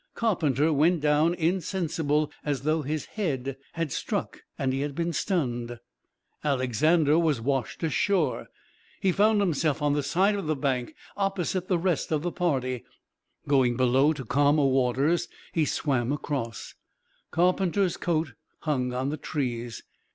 Carpenter went down insensible as though his head had struck and he had been stunned. Alexander was washed ashore. He found himself on the side of the bank opposite the rest of the party. Going below to calmer waters, he swam across. Carpenter's coat hung on the trees.